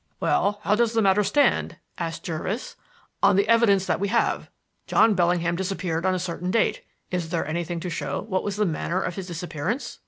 "Well, how does the matter stand," asked Jervis, "on the evidence that we have? John Bellingham disappeared on a certain date. Is there anything to show what was the manner of his disappearance?"